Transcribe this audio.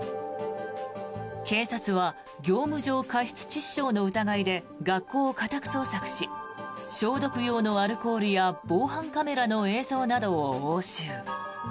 警察は業務上過失致死傷の疑いで学校を家宅捜索し消毒用のアルコールや防犯カメラの映像などを押収。